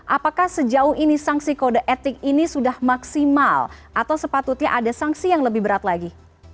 apakah sejauh ini sanksi kode etik ini sudah maksimal atau sepatutnya ada sanksi yang lebih berat lagi